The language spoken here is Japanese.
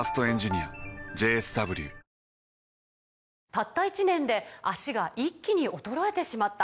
「たった１年で脚が一気に衰えてしまった」